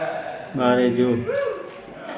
ٻآري جو۔